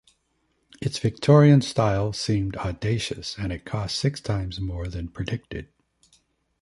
Its Victorian style seemed audacious and it cost six times more than predicted.